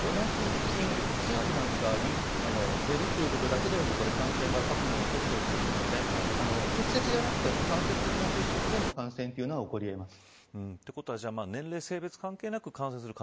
それから同じ寝具の中にシーツなんかに寝るということだけでも感染が過去にも起きているので直接じゃなくても間接的な接触でも感染というのは起こり得ます。